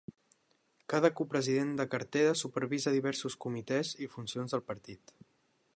Cada copresident de cartera supervisa diversos comitès i funcions del partit.